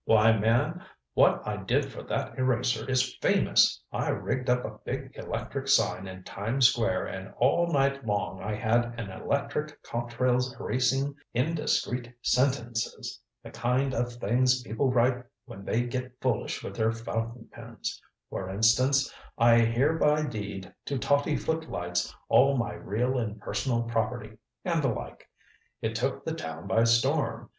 "Why, man what I did for that eraser is famous. I rigged up a big electric sign in Times Square and all night long I had an electric Cotrell's erasing indiscreet sentences the kind of things people write when they get foolish with their fountain pens for instance 'I hereby deed to Tottie Footlights all my real and personal property' and the like. It took the town by storm.